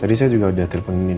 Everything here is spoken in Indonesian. tadi saya juga udah telfoninin nung